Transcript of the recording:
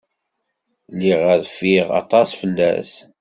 Lliɣ rfiɣ aṭas fell-as.